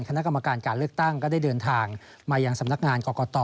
คณะกรรมการการเลือกตั้งก็ได้เดินทางมายังสำนักงานกรกต